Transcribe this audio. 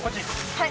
はい。